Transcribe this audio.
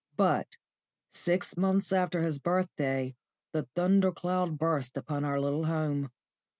But six months after his birthday the thunder cloud burst upon our little home.